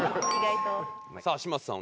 さあ嶋佐さん